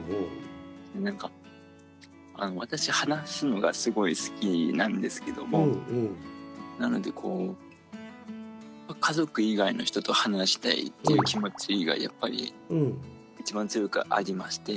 私話すのがすごい好きなんですけどもなのでこう家族以外の人と話したいっていう気持ちがやっぱり一番強くありまして。